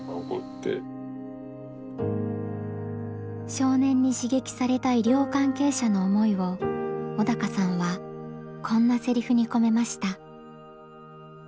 少年に刺激された医療関係者の思いを小鷹さんはこんなセリフに込めました。